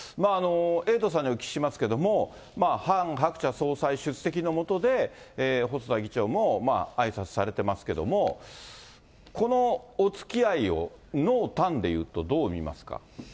エイトさんにお聞きしますけれども、ハン・ハクチャ総裁出席のもとで細田議長もあいさつされてますけども、このおつきあいを濃淡でいうとどう見ますか？